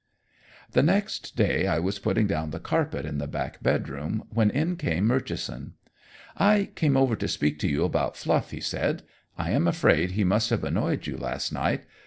The next day I was putting down the carpet in the back bedroom, when in came Murchison. "I came over to speak to you about Fluff," he said. "I am afraid he must have annoyed you last night.